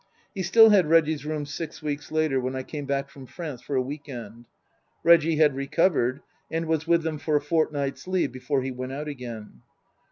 He still had Reggie's room six weeks later when I came back from France for a week end. Reggie had recovered, and was with them for a fortnight's leave before he went out again.